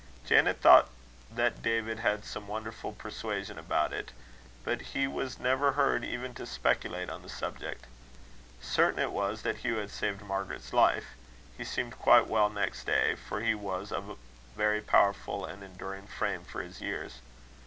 Janet thought that David had some wonderful persuasion about it; but he was never heard even to speculate on the subject. Certain it was, that Hugh had saved Margaret's life. He seemed quite well next day, for he was of a very powerful and enduring frame for his years.